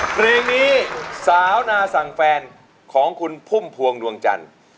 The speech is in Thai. เพลงนี้สาวนาสั่งแฟนของคุณพุ่มพวงดวงจันทร์